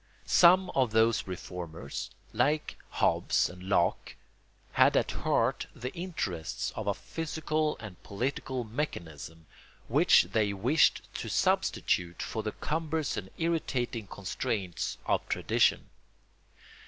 Some of those reformers, like Hobbes and Locke, had at heart the interests of a physical and political mechanism, which they wished to substitute for the cumbrous and irritating constraints of tradition.